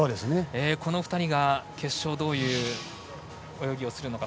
この２人が決勝どういう泳ぎをするのか。